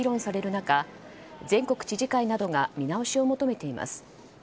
中全国知事会などが見直しを求めています。